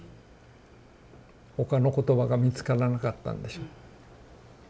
他の言葉が見つからなかったんでしょう。